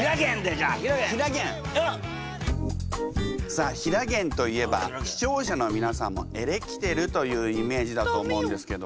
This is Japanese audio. さあひらげんといえば視聴者の皆さんもエレキテルというイメージだと思うんですけど。